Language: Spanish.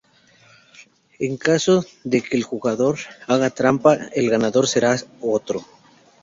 En caso de que el jugador haga trampa el ganador será el otro.